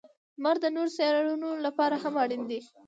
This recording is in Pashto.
• لمر د نورو سیارونو لپاره هم اړین دی.